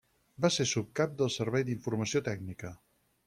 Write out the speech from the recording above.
Va ser subcap del Servei d'Informació Tècnica.